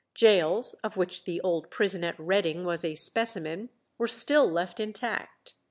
Gaols, of which the old prison at Reading was a specimen, were still left intact.